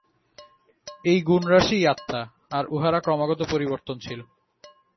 এই গুণরাশিই আত্মা, আর উহারা ক্রমাগত পরিবর্তনশীল।